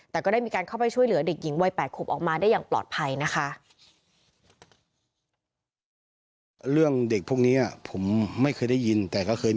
แต่ก็ได้มีการเข้าไปช่วยเหลือเด็กหญิงวัย๘ขวบออกมาได้อย่างปลอดภัยนะคะ